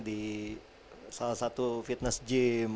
di salah satu fitness gym